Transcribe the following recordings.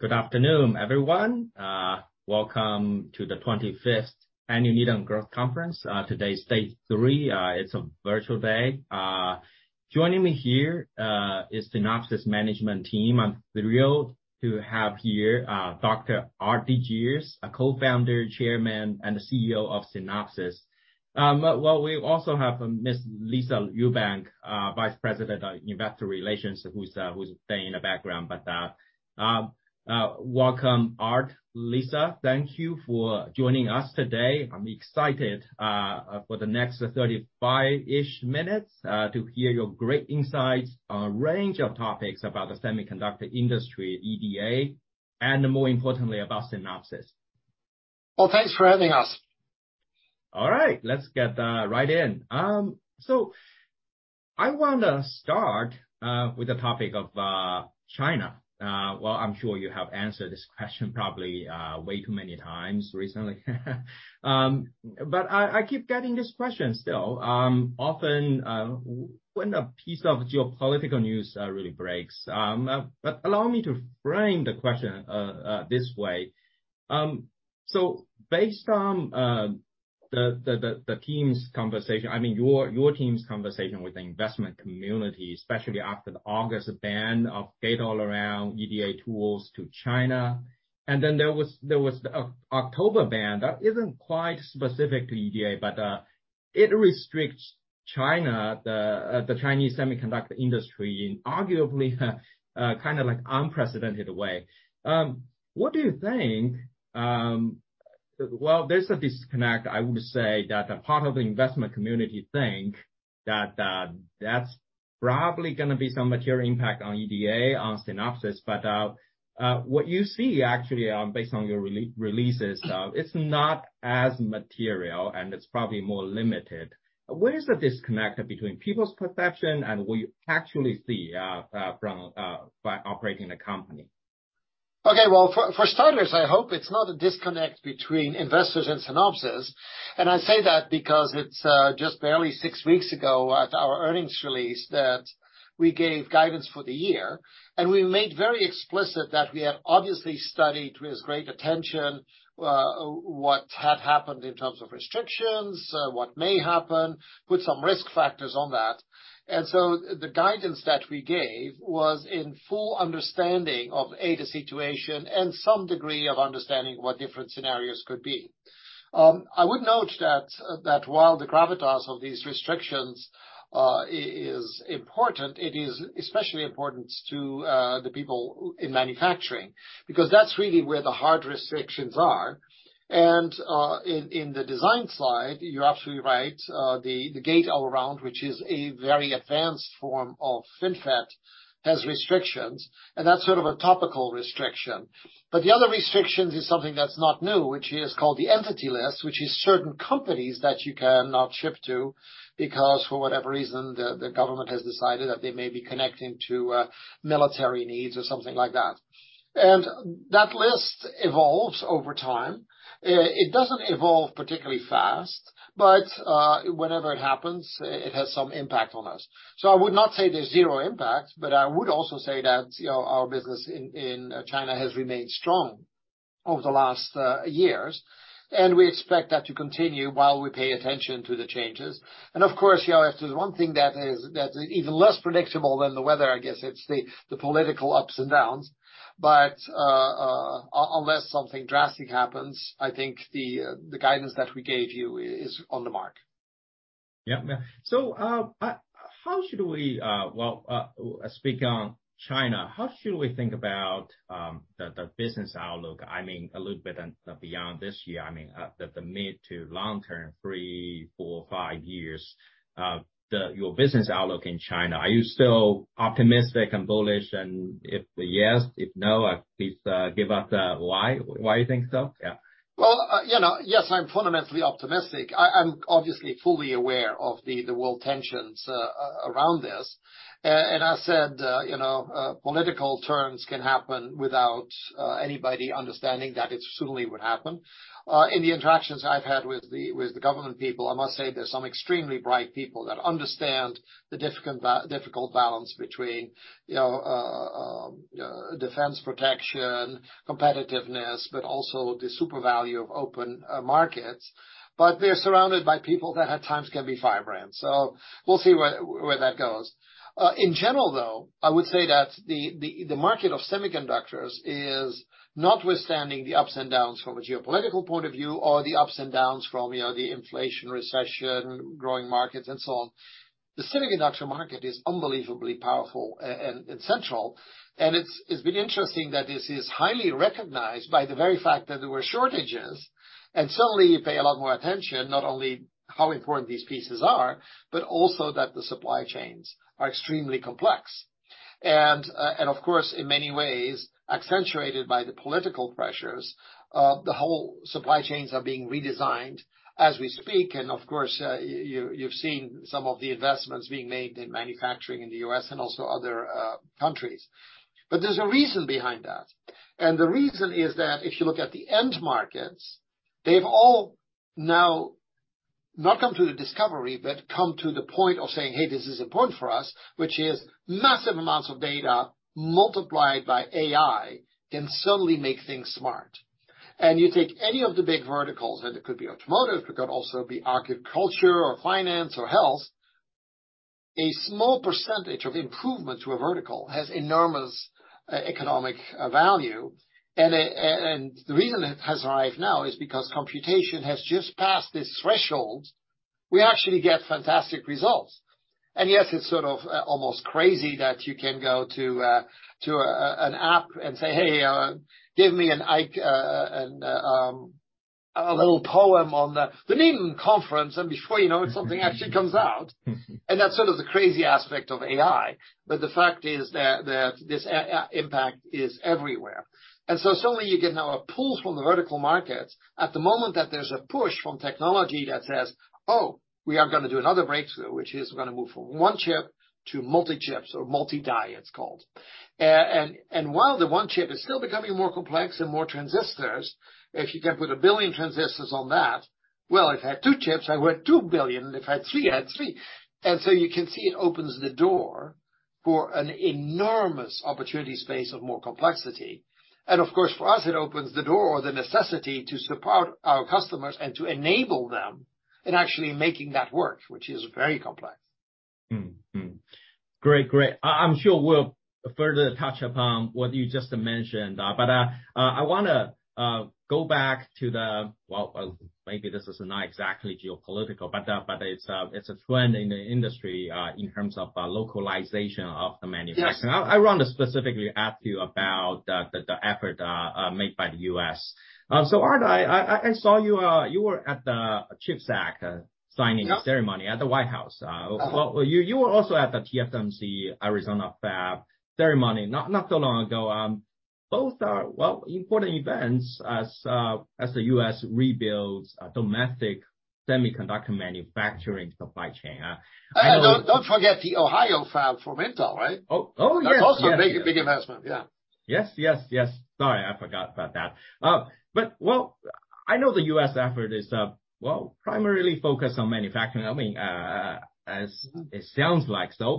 Good afternoon, everyone. Welcome to the 25th Annual Needham Growth Conference. Today is day three. It's a virtual day. Joining me here is Synopsys' management team. I'm thrilled to have here Dr. Aart de Geus, a Co-founder, Chairman, and CEO of Synopsys. Well, we also have Miss Lisa Ewbank, Vice President of Investor Relations, who's staying in the background. Welcome, Aart, Lisa. Thank you for joining us today. I'm excited for the next 35-ish minutes to hear your great insights on a range of topics about the semiconductor industry, EDA, and more importantly, about Synopsys. Well, thanks for having us. All right. Let's get right in. I wanna start with the topic of China. Well, I'm sure you have answered this question probably way too many times recently. I keep getting this question still often when a piece of geopolitical news really breaks. Allow me to frame the question this way. Based on the team's conversation... I mean, your team's conversation with the investment community, especially after the August ban of gate-all-around EDA tools to China. There was the October ban that isn't quite specific to EDA, but it restricts China, the Chinese semiconductor industry in arguably kind of like unprecedented way. What do you think, well, there's a disconnect, I would say, that a part of the investment community think that's probably gonna be some material impact on EDA, on Synopsys. What you see actually, based on your releases, it's not as material, and it's probably more limited. Where is the disconnect between people's perception and what you actually see, from, by operating the company? Okay. Well, for starters, I hope it's not a disconnect between investors and Synopsys. I say that because it's just barely six weeks ago at our earnings release that we gave guidance for the year, and we made very explicit that we have obviously studied with great attention, what had happened in terms of restrictions, what may happen, put some risk factors on that. So the guidance that we gave was in full understanding of, A, the situation and some degree of understanding what different scenarios could be. I would note that while the gravitas of these restrictions, is important, it is especially important to the people in manufacturing, because that's really where the hard restrictions are. In the design side, you're absolutely right, the gate-all-around, which is a very advanced form of FinFET, has restrictions, and that's sort of a topical restriction. The other restrictions is something that's not new, which is called the Entity List, which is certain companies that you cannot ship to because for whatever reason, the government has decided that they may be connecting to military needs or something like that. That list evolves over time. It doesn't evolve particularly fast, but whenever it happens, it has some impact on us. I would not say there's zero impact, but I would also say that, you know, our business in China has remained strong over the last years, and we expect that to continue while we pay attention to the changes. Of course, you know, if there's one thing that's even less predictable than the weather, I guess, it's the political ups and downs. Unless something drastic happens, I think the guidance that we gave you is on the mark. Yeah. How should we, well, speaking on China, how should we think about the business outlook, I mean, a little bit beyond this year, I mean, the mid to long-term, three, four, five years, your business outlook in China? Are you still optimistic and bullish? If yes, if no, please, give us, why you think so? Yeah. Well, you know, yes, I'm fundamentally optimistic. I'm obviously fully aware of the world tensions around this. I said, you know, political turns can happen without anybody understanding that it certainly would happen. In the interactions I've had with the government people, I must say there's some extremely bright people that understand the difficult balance between, you know, defense protection, competitiveness, but also the super value of open markets. They're surrounded by people that at times can be vibrant. We'll see where that goes. In general, though, I would say that the market of semiconductors is notwithstanding the ups and downs from a geopolitical point of view or the ups and downs from, you know, the inflation recession, growing markets, and so on. The semiconductor market is unbelievably powerful and central, and it's been interesting that this is highly recognized by the very fact that there were shortages. Suddenly, you pay a lot more attention not only how important these pieces are, but also that the supply chains are extremely complex. Of course, in many ways, accentuated by the political pressures, the whole supply chains are being redesigned as we speak. Of course, you've seen some of the investments being made in manufacturing in the U.S. and also other countries. There's a reason behind that. The reason is that if you look at the end markets, they've all not come to the discovery, but come to the point of saying, "Hey, this is important for us," which is massive amounts of data multiplied by AI can suddenly make things smart. You take any of the big verticals, it could be automotive, it could also be agriculture or finance or health. A small percentage of improvement to a vertical has enormous economic value. The reason it has arrived now is because computation has just passed this threshold. We actually get fantastic results. Yes, it's sort of almost crazy that you can go to an app and say, "Hey, give me a little poem on the Needham conference." Before you know it, something actually comes out. That's sort of the crazy aspect of AI. The fact is that this AI impact is everywhere. Suddenly you get now a pull from the vertical markets at the moment that there's a push from technology that says, "Oh, we are gonna do another breakthrough," which is we're gonna move from one chip to multi-chips or multi-die, it's called. While the one chip is still becoming more complex and more transistors, if you can put a billion transistors on that, well, if I had two chips, I would have two billion. If I had three, I had three. You can see it opens the door for an enormous opportunity space of more complexity. Of course, for us, it opens the door or the necessity to support our customers and to enable them in actually making that work, which is very complex. Great. I'm sure we'll further touch upon what you just mentioned, but I wanna go back. Well, maybe this is not exactly geopolitical, but it's a trend in the industry in terms of localization of the manufacturing. Yes. I wanna specifically ask you about the effort, made by the U.S. Aart, I saw you were at the CHIPS Act, signing... Yep -ceremony at the White House. Uh-huh. Well, you were also at the TSMC Arizona Fab ceremony not too long ago. Both are, well, important events as the U.S. rebuilds domestic semiconductor manufacturing supply chain. Don't forget the Ohio Fab from Intel, right? Oh. Oh, yes. Yeah. That's also a big, big investment. Yeah. Yes, yes. Sorry, I forgot about that. Well, I know the U.S. effort is well, primarily focused on manufacturing. I mean, as it sounds like so.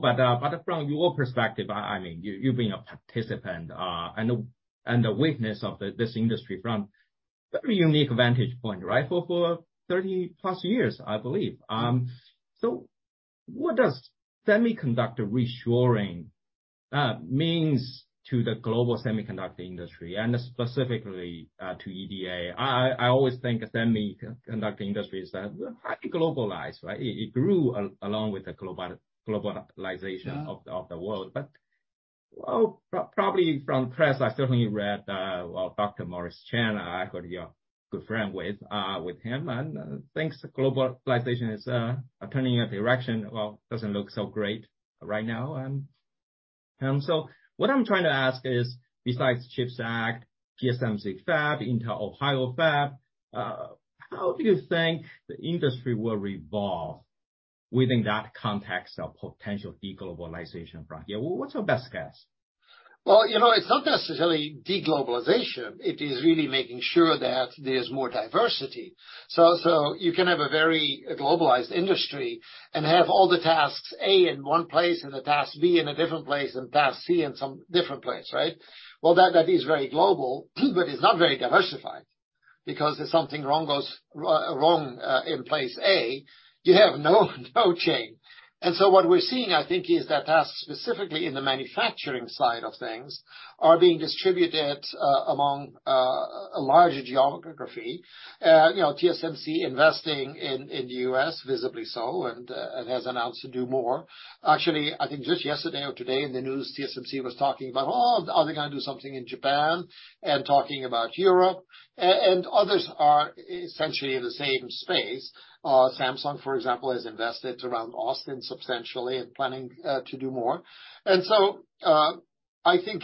From your perspective, I mean, you being a participant, and a, and a witness of this industry from very unique vantage point, right? For 30 plus years, I believe. What does semiconductor reshoring means to the global semiconductor industry and specifically to EDA? I always think the semiconductor industry is highly globalized, right? It, it grew along with the globalization. Yeah of the world. Well, probably from press, I certainly read, well, Dr. Morris Chang, I heard you're good friend with him, and thinks globalization is turning a direction, well, doesn't look so great right now. What I'm trying to ask is, besides CHIPS Act, TSMC Fab, Intel Ohio Fab, how do you think the industry will revolve within that context of potential de-globalization front? Yeah, what's your best guess? Well, you know, it's not necessarily de-globalization. It is really making sure that there's more diversity. You can have a very globalized industry and have all the tasks A in one place and the task B in a different place, and task C in some different place, right? Well, that is very global, but it's not very diversified. Because if something wrong goes wrong in place A, you have no chain. What we're seeing, I think is that tasks specifically in the manufacturing side of things are being distributed among a larger geography. You know, TSMC investing in the U.S. visibly so and has announced to do more. Actually, I think just yesterday or today in the news, TSMC was talking about, are they gonna do something in Japan and talking about Europe. Others are essentially in the same space. Samsung, for example, has invested around Austin substantially and planning to do more. I think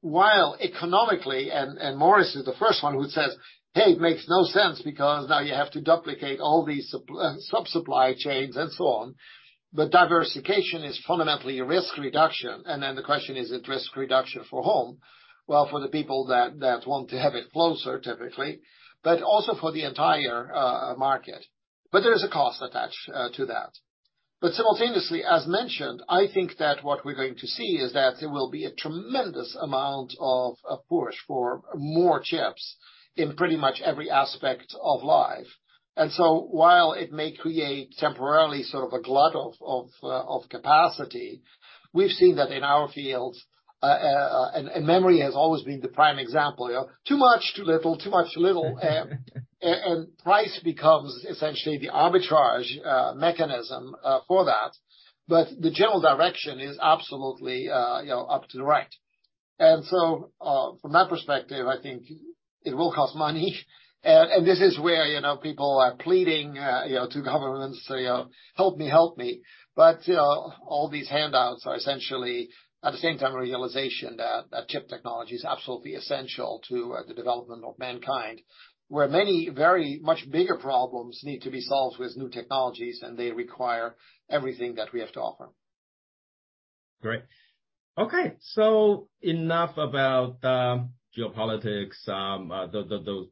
while economically, and Morris is the first one who says, "Hey, it makes no sense because now you have to duplicate all these sub-supply chains and so on." Diversification is fundamentally risk reduction. The question is risk reduction for whom? Well, for the people that want to have it closer, typically, but also for the entire market. There is a cost attached to that. Simultaneously, as mentioned, I think that what we're going to see is that there will be a tremendous amount of push for more chips in pretty much every aspect of life. While it may create temporarily sort of a glut of capacity, we've seen that in our fields, and memory has always been the prime example. You know, too much, too little, too much, too little. Price becomes essentially the arbitrage mechanism for that. The general direction is absolutely, you know, up to the right. From that perspective, I think it will cost money. This is where, you know, people are pleading, you know, to governments, you know, "Help me, help me." You know, all these handouts are essentially at the same time a realization that chip technology is absolutely essential to the development of mankind, where many very much bigger problems need to be solved with new technologies, and they require everything that we have to offer. Great. Okay, enough about geopolitics,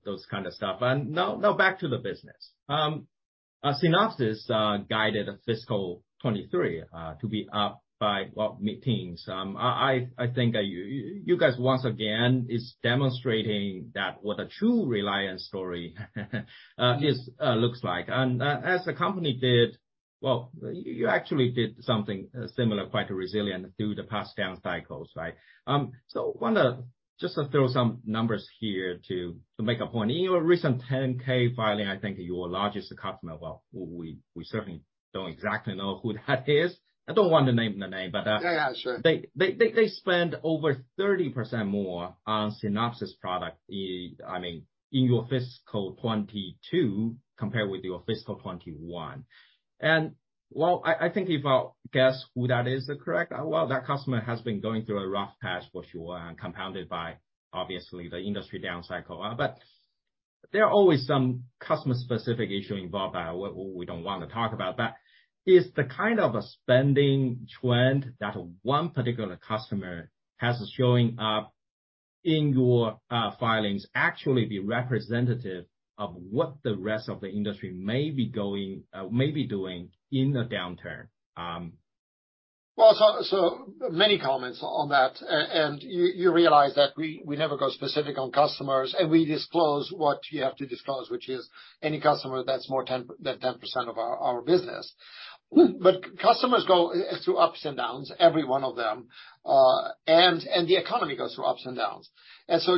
those kind of stuff. Now back to the business. Synopsys guided fiscal 2023 to be up by, well, mid-teens. I think you guys once again is demonstrating that what a true reliance story is, looks like. As the company did... Well, you actually did something, similar, quite resilient through the past down cycles, right? Wanna just to throw some numbers here to make a point. In your recent 10-K filing, I think your largest customer, well, we certainly don't exactly know who that is. I don't want to name the name, but. Yeah, yeah, sure. They spend over 30% more on Synopsys product I mean, in your fiscal 2022 compared with your fiscal 2021. While I think if I guess who that is correct, well, that customer has been going through a rough patch for sure and compounded by, obviously, the industry down cycle. There are always some customer specific issue involved that we don't wanna talk about. Is the kind of spending trend that one particular customer has showing up in your filings actually be representative of what the rest of the industry may be going, may be doing in a downturn? Many comments on that. You realize that we never go specific on customers, and we disclose what you have to disclose, which is any customer that's 10% of our business. Customers go through ups and downs, every one of them. The economy goes through ups and downs.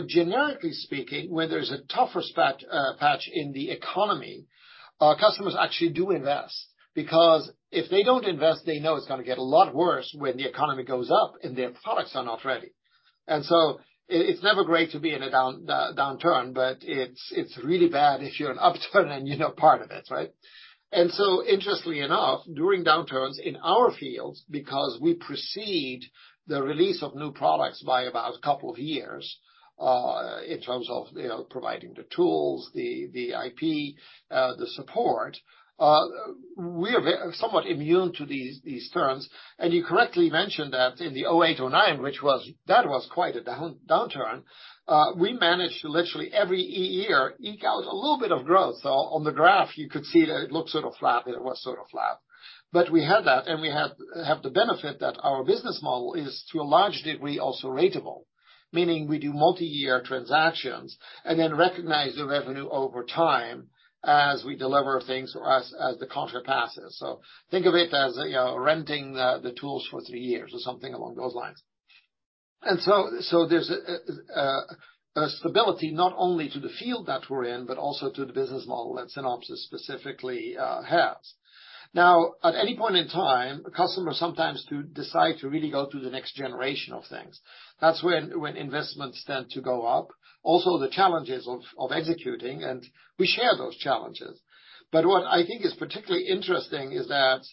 Generically speaking, when there's a tougher patch in the economy, our customers actually do invest, because if they don't invest, they know it's gonna get a lot worse when the economy goes up and their products are not ready. It's never great to be in a downturn, but it's really bad if you're an upturn and you're not part of it, right? Interestingly enough, during downturns in our fields, because we precede the release of new products by about a couple of years, in terms of, you know, providing the tools, the IP, the support, we are somewhat immune to these terms. You correctly mentioned that in the 2008, 2009, that was quite a downturn. We managed to literally every year eke out a little bit of growth. On the graph, you could see that it looked sort of flat, and it was sort of flat. We had that, and we have the benefit that our business model is, to a large degree, also ratable, meaning we do multi-year transactions and then recognize the revenue over time as we deliver things or as the contra passes. Think of it as, you know, renting the tools for three years or something along those lines. There's a, a stability not only to the field that we're in, but also to the business model that Synopsys specifically has. Now, at any point in time, customers sometimes do decide to really go to the next generation of things. That's when investments tend to go up, also the challenges of executing, and we share those challenges. What I think is particularly interesting is that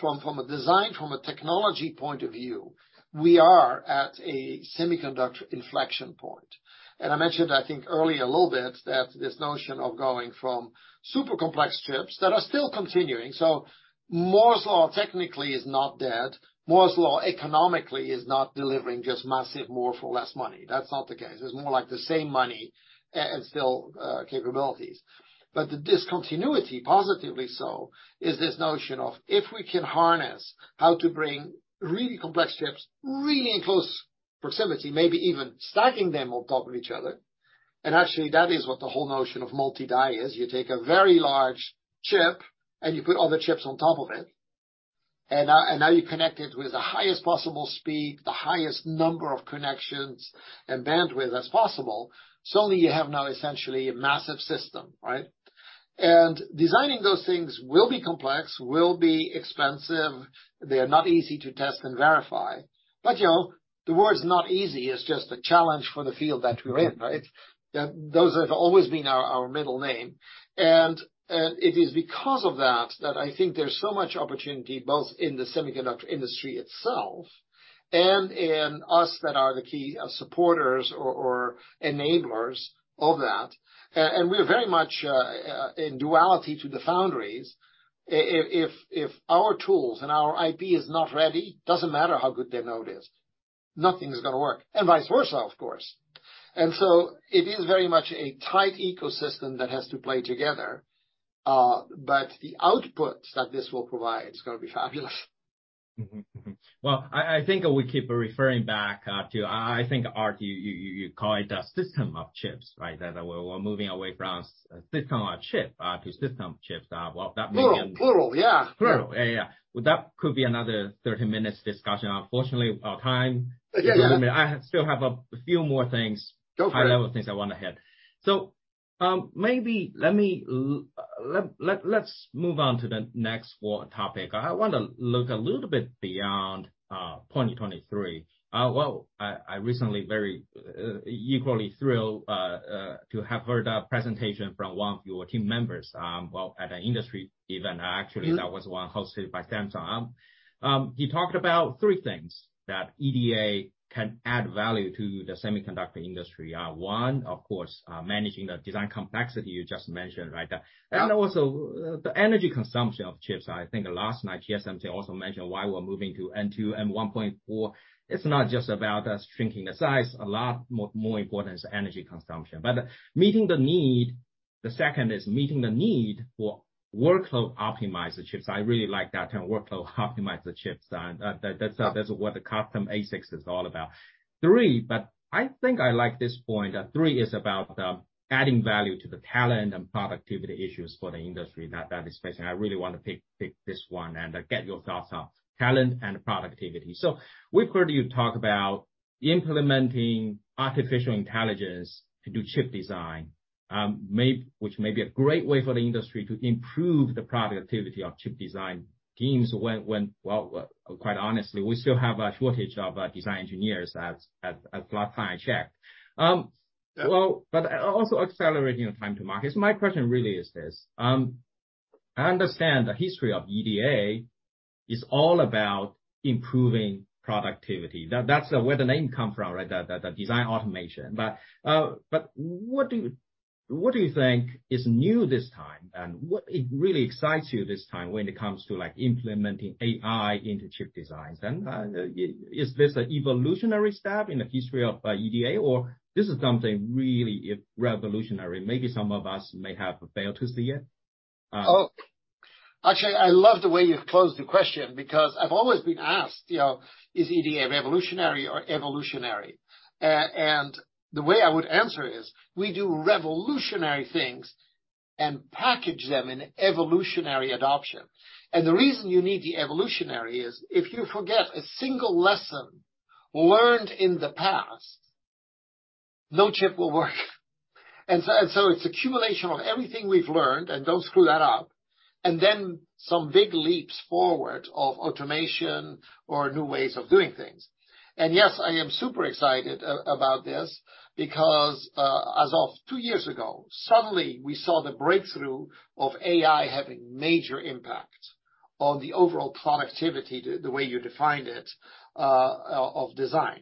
from a design, from a technology point of view, we are at a semiconductor inflection point. I mentioned, I think earlier a little bit, that this notion of going from super complex chips that are still continuing. Moore's Law technically is not dead. Moore's Law economically is not delivering just massive more for less money. That's not the case. It's more like the same money and still, capabilities. The discontinuity, positively so, is this notion of if we can harness how to bring really complex chips really in close proximity, maybe even stacking them on top of each other. Actually, that is what the whole notion of multi-die is. You take a very large chip, and you put other chips on top of it. Now you connect it with the highest possible speed, the highest number of connections and bandwidth that's possible. Suddenly you have now essentially a massive system, right? Designing those things will be complex, will be expensive. They are not easy to test and verify. You know, the word's not easy. It's just a challenge for the field that we're in, right? Those have always been our middle name. It is because of that I think there's so much opportunity both in the semiconductor industry itself and in us that are the key supporters or enablers of that. We are very much in duality to the foundries. If our tools and our IP is not ready, doesn't matter how good their node is, nothing's gonna work, and vice versa, of course. It is very much a tight ecosystem that has to play together. The outputs that this will provide is gonna be fabulous. Mm-hmm. Mm-hmm. Well, I think we keep referring back, I think, Art, you call it a system of chips, right? That we're moving away from System on a Chip to system chips. Plural. Plural. Yeah. Plural. Yeah. Well, that could be another 30 minutes discussion. Unfortunately, our time-. Yeah, yeah. I still have a few more things. Go for it. High-level things I wanna hit. Maybe let's move on to the next topic. I wanna look a little bit beyond 2023. Well, I recently very equally thrilled to have heard a presentation from one of your team members, well, at an industry event. Actually that was one hosted by Samsung. He talked about three thingsThat EDA can add value to the semiconductor industry. One, of course, managing the design complexity you just mentioned, right? Yeah. Also, the energy consumption of chips. I think last night TSMC also mentioned why we're moving to N2, N1.4. It's not just about us shrinking the size. A lot more important is energy consumption. Meeting the need for workload optimizer chips. I really like that term, workload optimizer chips. That's what the custom ASICs is all about. Three, I think I like this point. Three is about adding value to the talent and productivity issues for the industry that is facing. I really wanna pick this one and get your thoughts on talent and productivity. We've heard you talk about implementing artificial intelligence to do chip design, which may be a great way for the industry to improve the productivity of chip design teams when, well, quite honestly, we still have a shortage of design engineers as last time I checked. Well, also accelerating the time to market. My question really is this: I understand the history of EDA is all about improving productivity. That's where the name comes from, right? The design automation. What do you think is new this time, and what really excites you this time when it comes to, like, implementing AI into chip designs? Is this an evolutionary step in the history of EDA, or this is something really revolutionary, maybe some of us may have failed to see yet? Actually, I love the way you've closed the question, because I've always been asked, you know, is EDA revolutionary or evolutionary? The way I would answer is, we do revolutionary things and package them in evolutionary adoption. The reason you need the evolutionary is, if you forget a single lesson learned in the past, no chip will work. It's accumulation of everything we've learned, and don't screw that up, and then some big leaps forward of automation or new ways of doing things. Yes, I am super excited about this because, as of two years ago, suddenly we saw the breakthrough of AI having major impact on the overall productivity, the way you defined it, of design.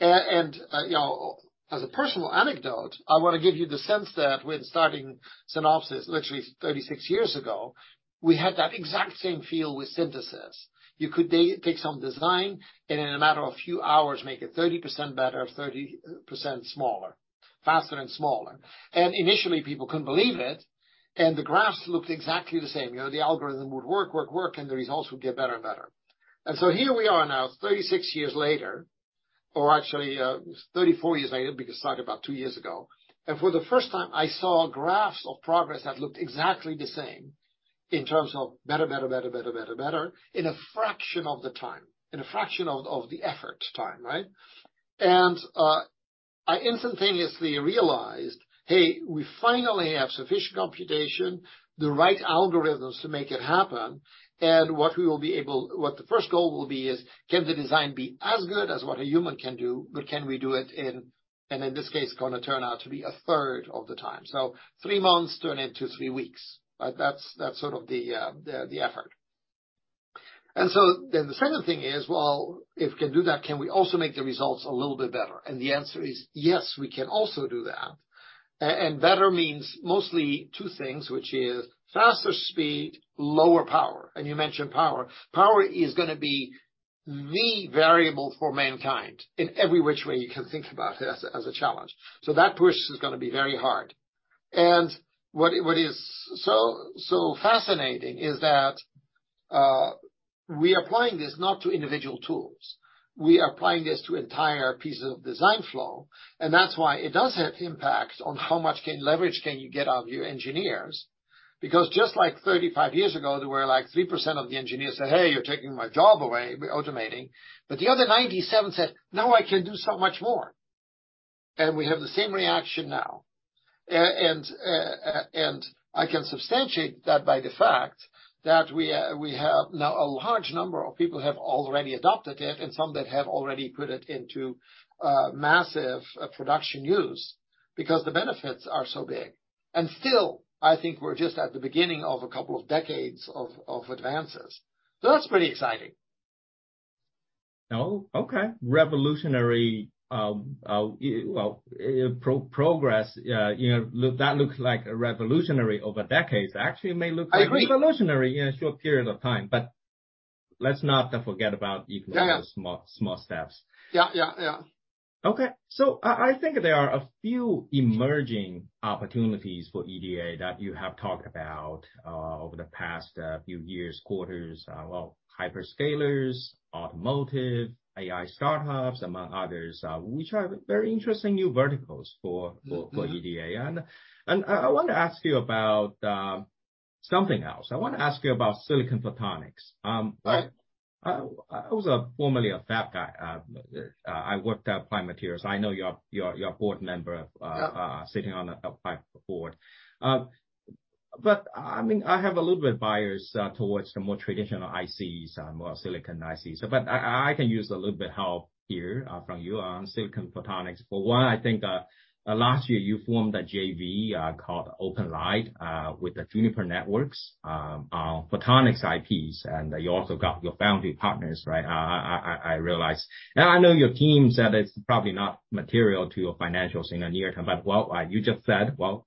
You know, as a personal anecdote, I wanna give you the sense that when starting Synopsys literally 36 years ago, we had that exact same feel with synthesis. You could take some design, and in a matter of few hours, make it 30% better, 30% smaller. Faster and smaller. Initially, people couldn't believe it, and the graphs looked exactly the same. You know, the algorithm would work, and the results would get better and better. Here we are now, 36 years later, or actually, 34 years later, because it started about two years ago. For the first time, I saw graphs of progress that looked exactly the same in terms of better, in a fraction of the time, in a fraction of the effort time, right? I instantaneously realized, hey, we finally have sufficient computation, the right algorithms to make it happen. What the first goal will be is can the design be as good as what a human can do, but can we do it in, and in this case, gonna turn out to be a third of the time. three months turn into three weeks. Right? That's sort of the, the effort. The second thing is, well, if we can do that, can we also make the results a little bit better? The answer is yes, we can also do that. Better means mostly two things, which is faster speed, lower power. You mentioned power. Power is gonna be the variable for mankind in every which way you can think about it as a challenge. That push is gonna be very hard. What is fascinating is that we are applying this not to individual tools. We are applying this to entire pieces of design flow, that's why it does have impact on how much leverage can you get out of your engineers. Just like 35 years ago, there were, like, 3% of the engineers say, "Hey, you're taking my job away by automating." The other 97 said, "Now I can do so much more." We have the same reaction now. I can substantiate that by the fact that we have now a large number of people have already adopted it, and some that have already put it into massive production use because the benefits are so big. Still, I think we're just at the beginning of a couple of decades of advances. That's pretty exciting. Oh, okay. Revolutionary, well, pro-progress, you know, that looks like a revolutionary over decades. I agree. like revolutionary in a short period of time. let's not forget about. Yeah. -the small steps. Yeah. Yeah. Yeah. Okay. I think there are a few emerging opportunities for EDA that you have talked about over the past few years, quarters. Well, hyperscalers, automotive, AI startups, among others, which are very interesting new verticals for EDA. I wanna ask you about something else. I wanna ask you about silicon photonics. Right. I was formerly a fab guy. I worked at Applied Materials. I know you're a board member. Yeah. sitting on forward. I mean, I have a little bit bias towards the more traditional ICs, more silicon ICs. I can use a little bit help here from you on silicon photonics. For one, I think that last year you formed a JV called OpenLight with Juniper Networks, Photonics IPs, and you also got your foundry partners, right? I realize. I know your team said it's probably not material to your financials in the near term, but well, you just said, well,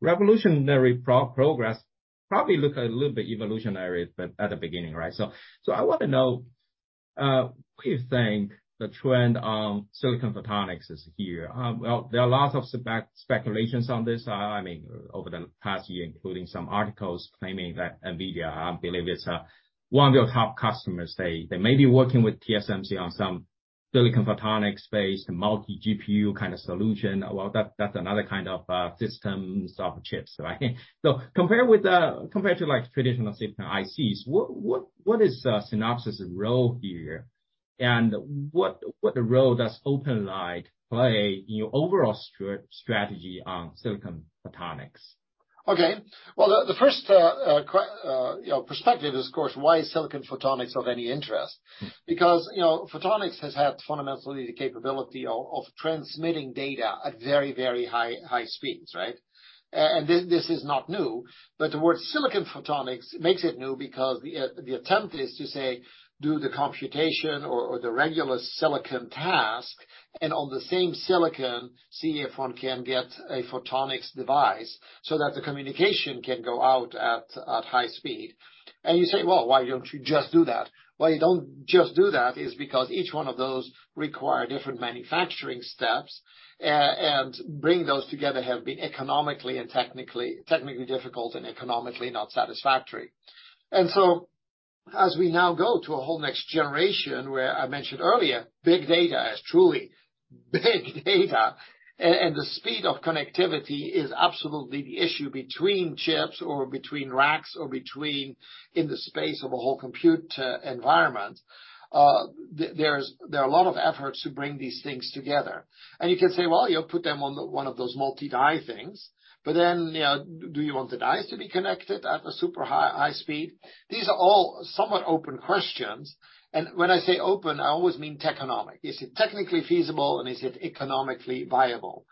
revolutionary progress probably look a little bit evolutionary but at the beginning, right? I wanna know what do you think the trend on silicon photonics is here? Well, there are lots of speculations on this. I mean, over the past year, including some articles claiming that NVIDIA, I believe it's one of your top customers, they may be working with TSMC on some silicon photonics-based multi-GPU kind of solution. Well, that's another kind of systems of chips, right? Compare with, compared to, like, traditional silicon ICs, what is Synopsys' role here? What role does OpenLight play in your overall strategy on silicon photonics? Okay. Well, the first, you know, perspective is, of course, why is silicon photonics of any interest? Because, you know, photonics has had fundamentally the capability of transmitting data at very high speeds, right? This is not new. The word silicon photonics makes it new because the attempt is to say, do the computation or the regular silicon task, and on the same silicon, see if one can get a photonics device so that the communication can go out at high speed. You say, "Well, why don't you just do that?" Why you don't just do that is because each one of those require different manufacturing steps, and bring those together have been economically and technically difficult and economically not satisfactory. As we now go to a whole next generation, where I mentioned earlier, big data is truly big data, and the speed of connectivity is absolutely the issue between chips or between racks or between in the space of a whole compute environment. There are a lot of efforts to bring these things together. You can say, well, you know, put them on one of those multi-die things. Then, you know, do you want the dies to be connected at a super high speed? These are all somewhat open questions. When I say open, I always mean Techonomic. Is it technically feasible, and is it economically viable?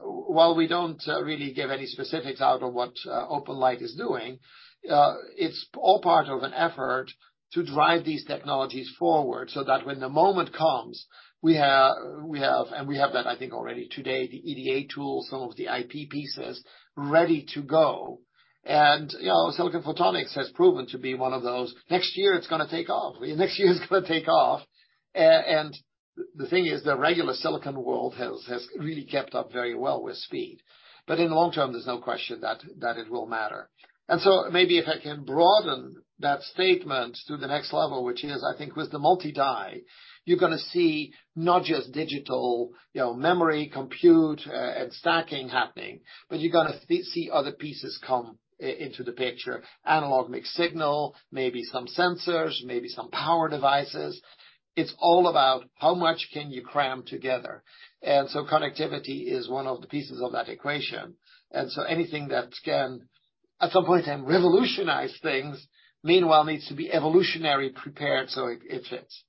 While we don't really give any specifics out on what OpenLight is doing, it's all part of an effort to drive these technologies forward so that when the moment comes, we have, and we have that, I think, already today, the EDA tools, some of the IP pieces ready to go. You know, silicon photonics has proven to be one of those, next year it's gonna take off. Next year it's gonna take off. And the thing is, the regular silicon world has really kept up very well with speed. In the long term, there's no question that it will matter. Maybe if I can broaden that statement to the next level, which is, I think with the multi-die, you're gonna see not just digital, you know, memory, compute, and stacking happening, but you're gonna see other pieces come into the picture. Analog Mixed-Signal, maybe some sensors, maybe some power devices. It's all about how much can you cram together. Connectivity is one of the pieces of that equation. Anything that can at some point in time revolutionize things, meanwhile, needs to be evolutionary prepared so it fits.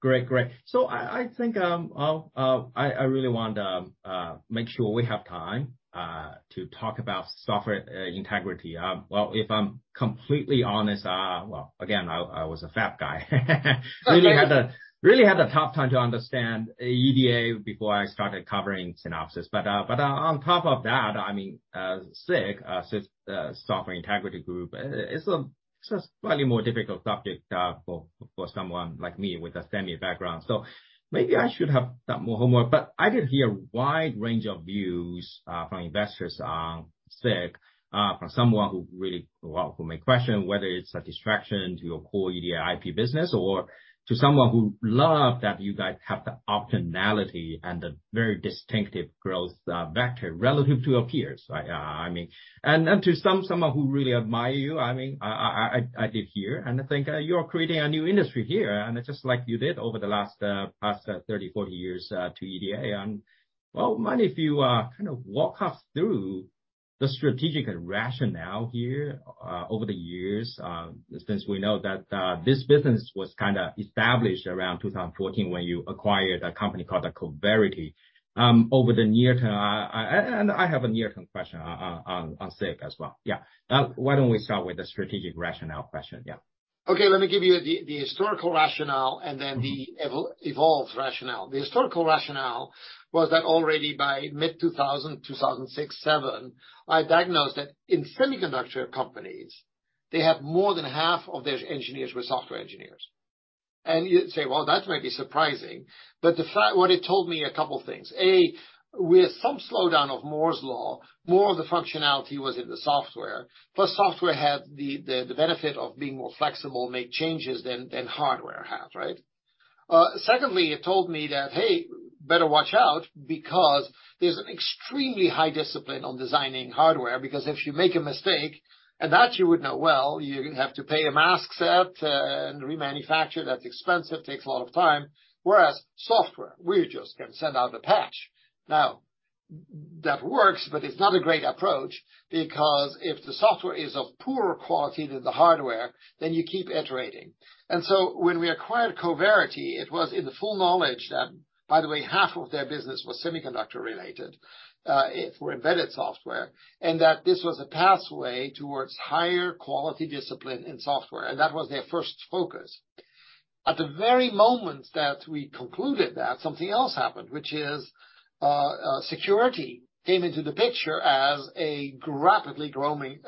Great, great. I think I really want to make sure we have time to talk about Software Integrity. Well, if I'm completely honest, well, again, I was a fab guy. That's right. Really had a tough time to understand EDA before I started covering Synopsys. On top of that, I mean, SIG, Software Integrity Group, it's a slightly more difficult topic for someone like me with a STEM background, so maybe I should have done more homework. I did hear wide range of views from investors on SIG, from someone who really, well, who may question whether it's a distraction to your core EDA and IP business or to someone who love that you guys have the optionality and the very distinctive growth vector relative to your peers. I mean... To someone who really admire you, I mean, I did hear and think, you're creating a new industry here, and it's just like you did over the last 30, 40 years, to EDA. Well, mind if you kind of walk us through the strategic rationale here over the years, since we know that this business was kind of established around 2014 when you acquired a company called Coverity. Over the near term, and I have a near term question on SIG as well. Why don't we start with the strategic rationale question? Okay, let me give you the historical rationale and then the evolved rationale. The historical rationale was that already by mid-2000, 2006, 2007, I diagnosed that in semiconductor companies, they have more than half of their engineers were software engineers. You'd say, "Well, that may be surprising," but what it told me a couple things. A, with some slowdown of Moore's Law, more of the functionality was in the software, plus software had the benefit of being more flexible, make changes than hardware had, right? Secondly, it told me that, hey, better watch out because there's an extremely high discipline on designing hardware, because if you make a mistake, and that you would know well, you have to pay a mask set and remanufacture. That's expensive, takes a lot of time. Whereas software, we just can send out a patch. That works, but it's not a great approach because if the software is of poorer quality than the hardware, then you keep iterating. When we acquired Coverity, it was in the full knowledge that, by the way, half of their business was semiconductor related, it were embedded software, and that this was a pathway towards higher quality discipline in software. That was their first focus. At the very moment that we concluded that, something else happened, which is, security came into the picture as a rapidly growing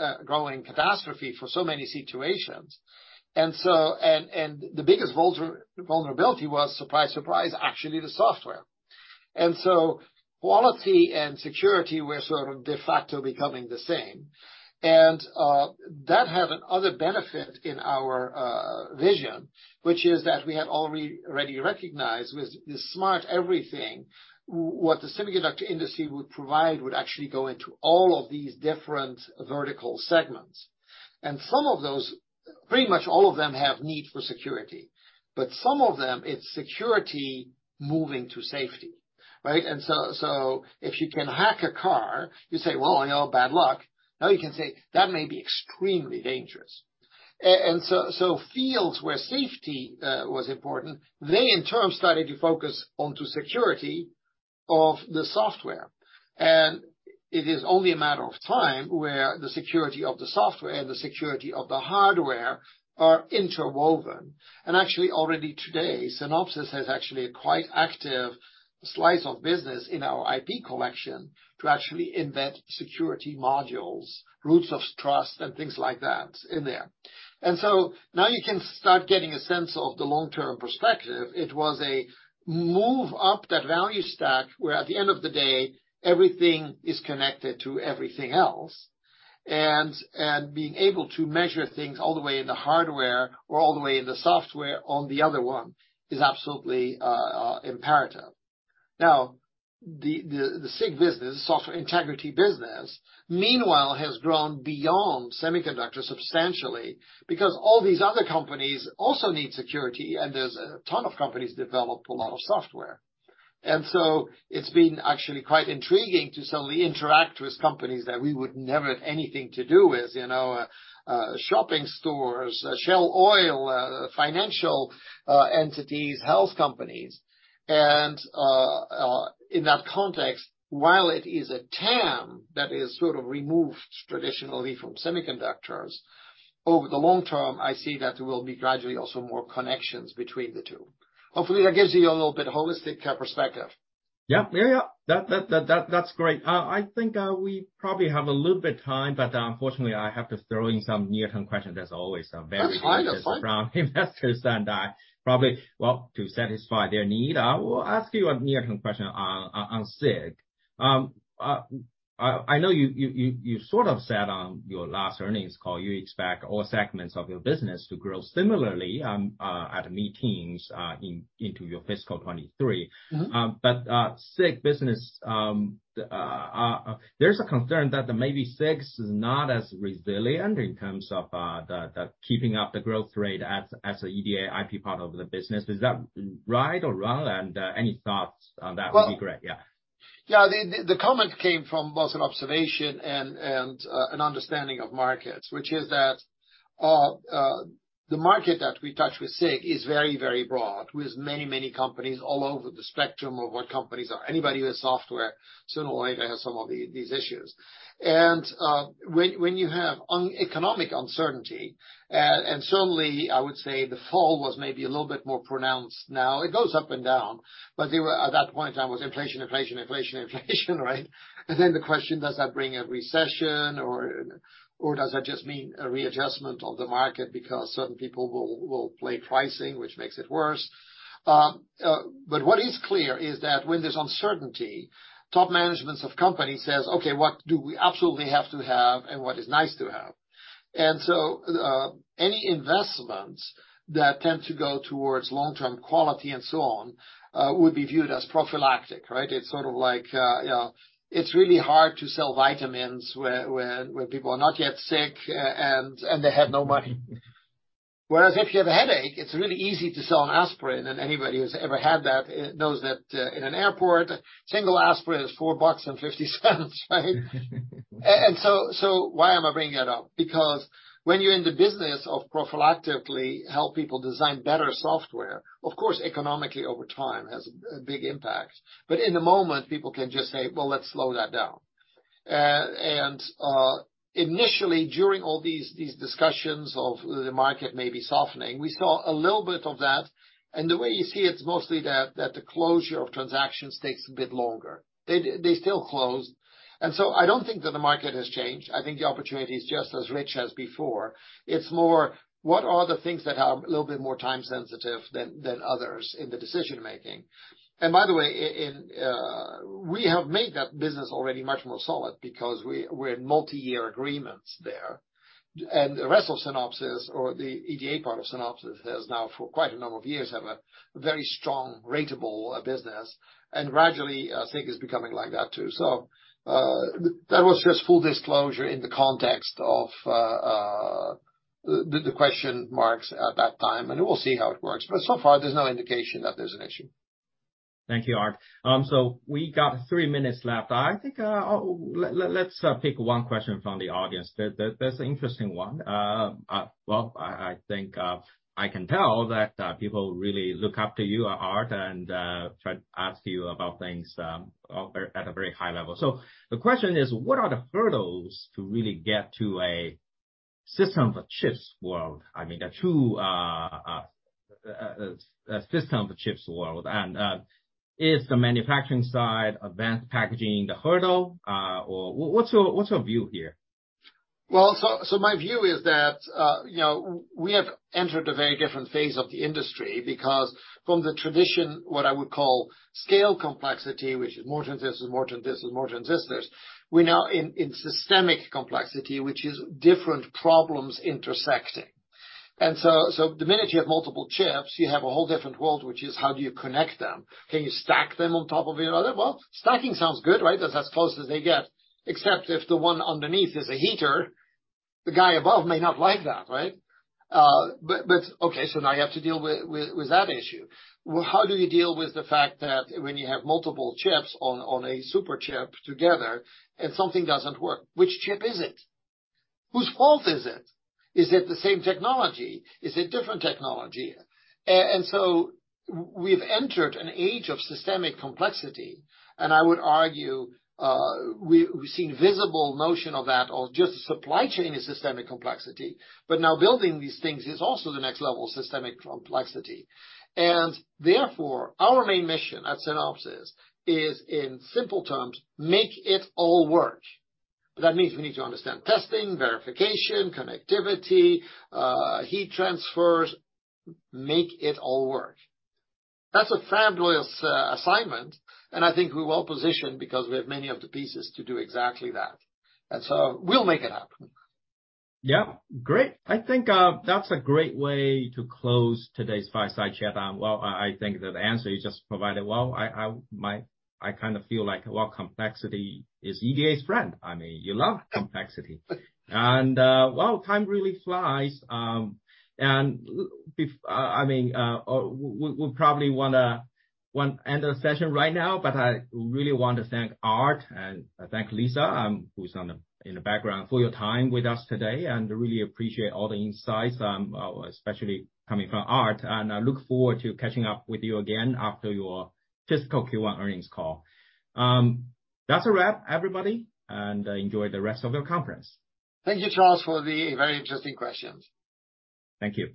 catastrophe for so many situations. And the biggest vulnerability was, surprise, actually the software. Quality and security were sort of de facto becoming the same. That had an other benefit in our vision, which is that we had already recognized with the smart everything, what the semiconductor industry would provide would actually go into all of these different vertical segments. Pretty much all of them have need for security, but some of them it's security moving to safety, right? So if you can hack a car, you say, "Well, you know, bad luck." Now you can say, "That may be extremely dangerous." So fields where safety was important, they in turn started to focus onto security of the software. It is only a matter of time where the security of the software and the security of the hardware are interwoven. Actually, already today, Synopsys has actually a quite active slice of business in our IP collection to actually embed security modules, roots of trust, and things like that in there. Now you can start getting a sense of the long-term perspective. It was a move up that value stack, where at the end of the day, everything is connected to everything else. Being able to measure things all the way in the hardware or all the way in the software on the other one is absolutely imperative. Now, the SIG business, Software Integrity Business, meanwhile has grown beyond semiconductors substantially because all these other companies also need security, and there's a ton of companies developed a lot of software. It's been actually quite intriguing to suddenly interact with companies that we would never have anything to do with. You know, shopping stores, Shell Oil, financial, entities, health companies. In that context, while it is a TAM that is sort of removed traditionally from semiconductors, over the long term, I see that there will be gradually also more connections between the two. Hopefully, that gives you a little bit holistic, perspective. Yeah. Yeah, yeah. That's great. I think, we probably have a little bit time. Unfortunately, I have to throw in some near-term questions. That's always, very- That's fine. That's fine.... interesting from investors and, probably, well, to satisfy their need, I will ask you a near-term question on SIG. I know you sort of said on your last earnings call, you expect all segments of your business to grow similarly, at mid-teens, into your fiscal 2023. Mm-hmm. SIG business, there's a concern that maybe SIG is not as resilient in terms of, the keeping up the growth rate as the EDA IP part of the business. Is that right or wrong? Any thoughts on that would be great. Yeah. Yeah. The comment came from both an observation and an understanding of markets, which is that the market that we touch with SIG is very, very broad, with many, many companies all over the spectrum of what companies are. Anybody with software sooner or later has some of these issues. When you have economic uncertainty, and certainly, I would say the fall was maybe a little bit more pronounced, now it goes up and down, but at that point in time was inflation, inflation, right? Then the question, does that bring a recession or does that just mean a readjustment of the market because certain people will play pricing, which makes it worse. What is clear is that when there's uncertainty, top managements of company says, "Okay, what do we absolutely have to have and what is nice to have?" Any investments that tend to go towards long-term quality and so on, would be viewed as prophylactic, right? It's sort of like, you know, it's really hard to sell vitamins when people are not yet sick and they have no money. If you have a headache, it's really easy to sell an aspirin, and anybody who's ever had that knows that, in an airport, single aspirin is $4.50, right? Why am I bringing that up? When you're in the business of prophylactically help people design better software, of course, economically over time has a big impact. In the moment, people can just say, "Well, let's slow that down." Initially, during all these discussions of the market may be softening, we saw a little bit of that. The way you see it's mostly that the closure of transactions takes a bit longer. They still close. I don't think that the market has changed. I think the opportunity is just as rich as before. It's more, what are the things that are a little bit more time sensitive than others in the decision-making? By the way, in, we have made that business already much more solid because we're in multi-year agreements there. The rest of Synopsys or the EDA part of Synopsys has now, for quite a number of years, have a very strong ratable business, and gradually SIG is becoming like that, too. That was just full disclosure in the context of the question marks at that time, and we'll see how it works, but so far there's no indication that there's an issue. Thank you, Art. We got three minutes left. I think, let's pick one question from the audience. There's an interesting one. Well, I think, I can tell that, people really look up to you, Art, and, try to ask you about things, at a very high level. The question is, what are the hurdles to really get to a system for chips world? I mean, a true, a system for chips world. Is the manufacturing side advanced packaging the hurdle? Or what's your, what's your view here? Well, so my view is that, you know, we have entered a very different phase of the industry because from the tradition, what I would call scale complexity, which is more transistors, more transistors, more transistors, we're now in systemic complexity, which is different problems intersecting. The minute you have multiple chips, you have a whole different world, which is how do you connect them? Can you stack them on top of the other? Stacking sounds good, right? That's as close as they get. Except if the one underneath is a heater, the guy above may not like that, right? Okay, so now you have to deal with that issue. How do you deal with the fact that when you have multiple chips on a super chip together and something doesn't work, which chip is it? Whose fault is it? Is it the same technology? Is it different technology? We've entered an age of systemic complexity, and I would argue, we've seen visible notion of that or just the supply chain is systemic complexity, but now building these things is also the next level of systemic complexity. Therefore, our main mission at Synopsys is, in simple terms, make it all work. That means we need to understand testing, verification, connectivity, heat transfers. Make it all work. That's a fabulous assignment, and I think we're well positioned because we have many of the pieces to do exactly that. We'll make it happen. Yeah. Great. I think that's a great way to close today's fireside chat. Well, I think that the answer you just provided, well, I kinda feel like, well, complexity is EDA's friend. I mean, you love complexity. Well, time really flies. I mean, we probably want end our session right now, I really want to thank Art, and thank Lisa, who's in the background, for your time with us today. Really appreciate all the insights, especially coming from Art, I look forward to catching up with you again after your fiscal Q1 earnings call. That's a wrap, everybody, enjoy the rest of your conference. Thank you, Charles, for the very interesting questions. Thank you.